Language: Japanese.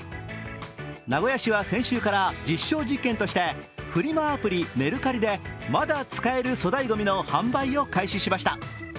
名古屋市は先週から実証実験としてフリマアプリ、メルカリでまだ使える粗大ごみの販売を開始しました。